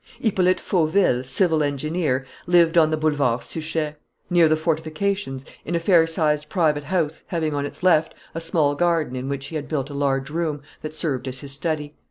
Hippolyte Fauville, civil engineer, lived on the Boulevard Suchet, near the fortifications, in a fair sized private house having on its left a small garden in which he had built a large room that served as his study.